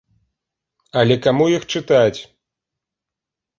Але каму іх чытаць?